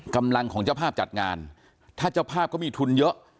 กำลังของเจ้าภาพจัดงานถ้าเจ้าภาพก็มีทุนเยอะ